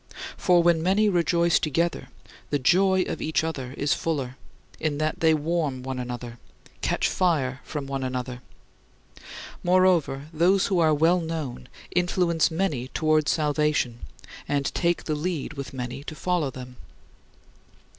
For when many rejoice together the joy of each one is fuller, in that they warm one another, catch fire from each other; moreover, those who are well known influence many toward salvation and take the lead with many to follow them.